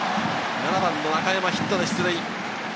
７番・中山、ヒットで出塁。